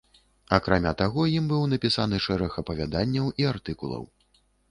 Акрамя таго ім быў напісаны шэраг апавяданняў і артыкулаў.